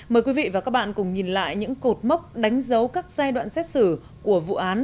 mời quý vị và các bạn cùng nhìn lại những cột mốc đánh dấu các giai đoạn xét xử của vụ án